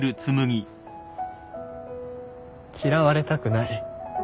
嫌われたくない。